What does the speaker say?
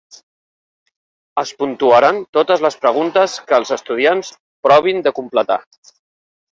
Es puntuaran totes les preguntes que els estudiants provin de completar.